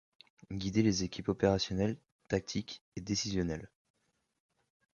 Guider les équipes opérationnelles, tactiques et décisionnelles.